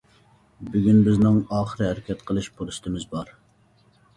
بۈگۈن بىزنىڭ ئاخىرى ھەرىكەت قىلىش پۇرسىتىمىز بار.